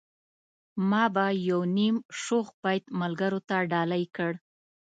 ما به يو نيم شوخ بيت ملګرو ته ډالۍ کړ.